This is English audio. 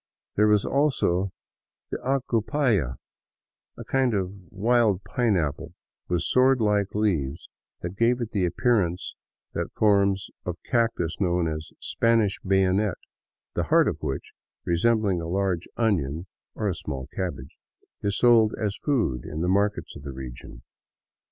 There was also the achupalla, a kind of wild pineapple with sword like leaves that gave it the appearance of that form of cactus known as " Spanish bayonet," the heart of which, resembling a large onion or a small cabbage, is sold as food in the markets of the region.